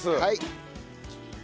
はい。